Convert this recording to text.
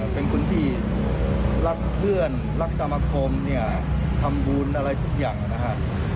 เป็นคุณพี่รักเพื่อนรักสามะพรมเนี่ยคำบูรณ์อะไรทุกอย่างนะฮะ